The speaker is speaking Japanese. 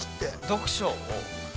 ◆読書を。